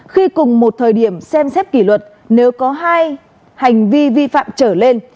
khi cùng một thời điểm xem xét kỷ luật nếu có hai hành vi vi phạm trở lên